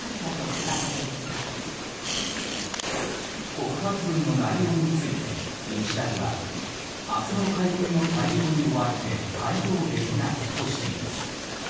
告発文の内容について日大は明日の会見の対応に追われて回答できないとしています。